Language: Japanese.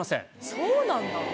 そうなんだ。